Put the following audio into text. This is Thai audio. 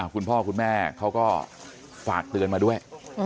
คุณพ่อคุณแม่เขาก็ฝากเตือนมาด้วย